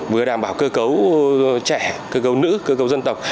vừa đảm bảo cơ cấu trẻ cơ cấu nữ cơ cấu dân tộc